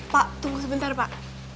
pak tunggu sebentar pak